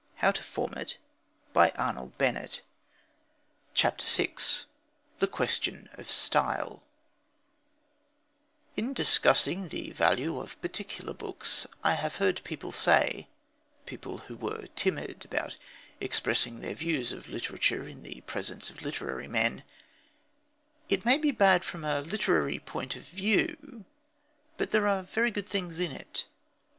Where does that come in?" CHAPTER VI THE QUESTION OF STYLE In discussing the value of particular books, I have heard people say people who were timid about expressing their views of literature in the presence of literary men: "It may be bad from a literary point of view, but there are very good things in it."